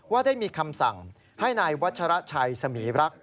ว่าได้มีคำสั่งให้นายวัชระชัยสมีรักษ